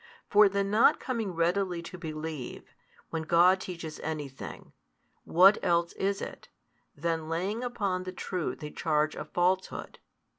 For the not coming readily to believe, when God teaches anything, what else is it, than laying upon the Truth a charge of falsehood?